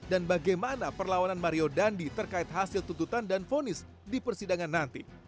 dan bagaimana perlawanan mario dendi terkait hasil tuntutan dan vonis di persidangan nanti